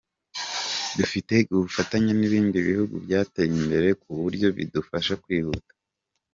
Dufite ubufatanye n’ibindi bihugu byateye imbere ku buryo bidufasha kwihuta.